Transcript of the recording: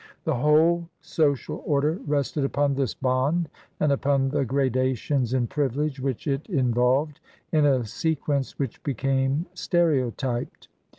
The whole social order rested upon this bond and upon the gradations in privilege which it involved in a sequence which became stereotyped.